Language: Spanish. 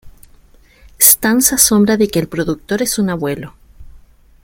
Stan se asombra de que el productor es "un abuelo".